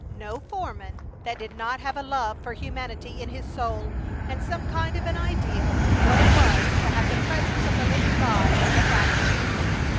No foreman that did not have a love for humanity in his soul and some kind of an idea what it was to have the Presence of the living God in a factory!